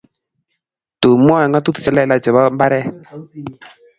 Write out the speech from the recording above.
tun mwaei ngatutik chelelach chebo mbaret